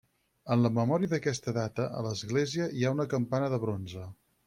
En la memòria d'aquesta data a l'església hi ha una campana de bronze.